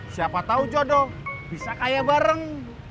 siapa tahu jodoh bisa kaya bareng